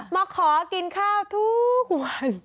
มาขอกินข้าวทุกวัน